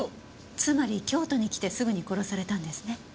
つまり京都に来てすぐに殺されたんですね。